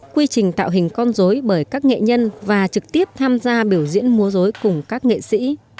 quy trình tạo hình con dối bởi các nghệ nhân và trực tiếp tham gia biểu diễn múa dối cùng các nghệ sĩ